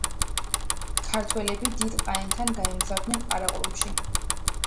ქართველები დიდ ყაენთან გაგზავნეს ყარაყორუმში.